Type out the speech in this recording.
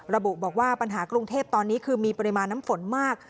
ระบุบอกว่าปัญหากรุงเทพตอนนี้คือมีปริมาณน้ำฝนมาก